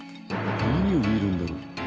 何を見るんだろう？